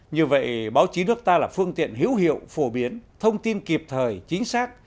như vậy báo chí nước ta là phương tiện hữu hiệu phổ biến thông tin kịp thời chính xác